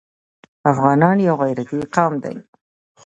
افغانان يو غيرتي قوم دی.